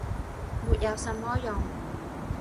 “沒有什麼用。”